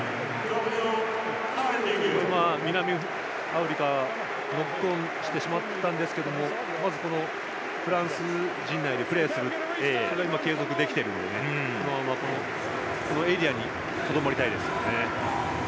南アフリカノックオンしてしまったんですがまず、フランス陣内でプレーすることは継続できているので、このままエリアにとどまりたいですね。